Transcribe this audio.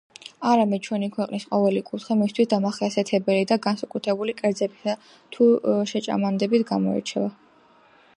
არამედ ჩვენი ქვეყნის ყოველი კუთხე მისთვის დამახასიათებელი და განსაკუთრებული კერძებითა თუ შეჭამანდებით გამოირჩევა.